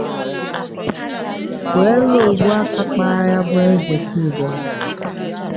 wee ruo ugbu aka kpaara ya bụ ezeku udele.